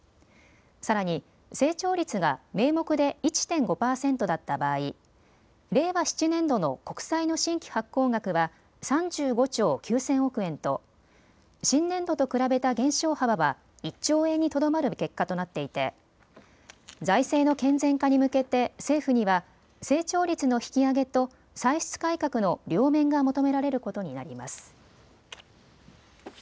さらに成長率が名目で１．５％だった場合、令和７年度の国債の新規発行額は３５兆９０００億円と新年度と比べた減少幅は１兆円にとどまる結果となっていて財政の健全化に向けて政府には成長率の引き上げと歳出改革の両面が求められることになります。